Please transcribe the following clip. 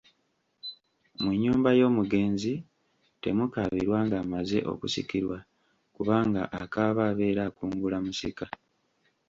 Mu nnyumba y'omugenzi temukaabirwa ng'amaze okusikirwa kubanga akaaba abeera akungula musika.